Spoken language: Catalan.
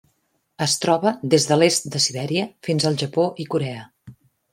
Es troba des de l'est de Sibèria fins al Japó i Corea.